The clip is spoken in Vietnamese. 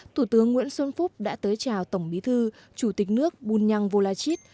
thủ tướng nguyễn xuân phúc đã tới chào tổng bí thư chủ tịch nước bunyang volachit